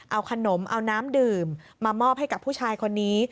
เอาขนมเอาน้ำดื่มมามอบให้กับผู้ชายคนนี้